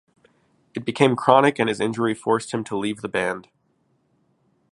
It became chronic and his injury forced him to leave the band.